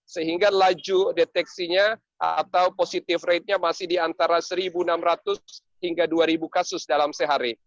sehingga laju deteksinya atau positive ratenya masih di antara satu enam ratus hingga dua kasus dalam sehari